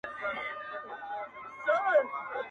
د هر چا به وي لاسونه زما ګرېوان کي!!